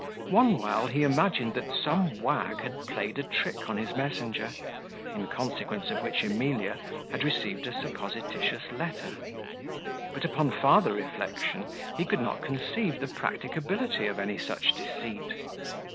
One while he imagined that some wag had played a trick on his messenger, in consequence of which Emilia had received a supposititious letter; but, upon farther reflection, he could not conceive the practicability of any such deceit.